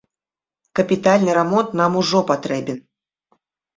Капітальны рамонт нам ужо патрэбен.